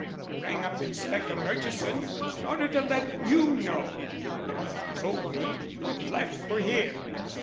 I rang up Inspector Murchison in order to let you know, but he told me you'd left for here."